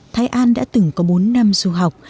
thái an đã từng có bốn năm du học